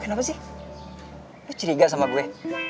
kenapa sih lo ceriga sama gue